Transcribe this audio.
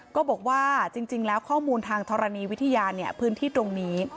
ก็บอกว่าจริงแล้วข้อมูลทางธรณีวิทยาพื้นที่ตรงนี้